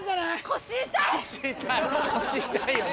腰痛いよね。